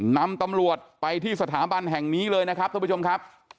นำตำรวจไปที่สถาบันแห่งนี้เลยนะครับท่านผู้ชมครับ